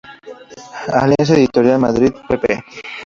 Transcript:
Alianza Editorial, Madrid, pp.